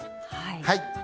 はい。